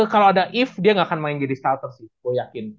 kalau ada eef dia gak akan main jadi starter sih gue yakin